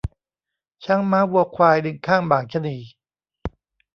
ช้างม้าวัวควาย ลิงค่างบ่างชะนี